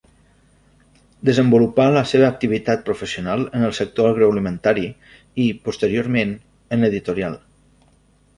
Desenvolupà la seva activitat professional en el sector agroalimentari i, posteriorment, en l'editorial.